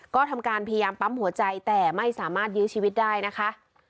ก็ทำการพยายามปั๊มหัวใจแต่ไม่สามารถยื้อชีวิตได้นะคะ